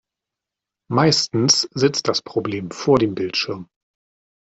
Meistens sitzt das Problem vor dem Bildschirm.